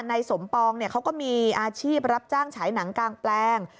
นายสมปองเขาก็มีอาชีพรับจ้างฉายหนังกลางแปลง